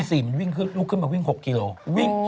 พี่๔มันลูกขึ้นมาวิ่ง๖กิโลกรัม